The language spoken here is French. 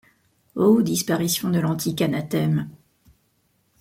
Ô disparition de l’antique anathème!